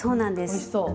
おいしそう。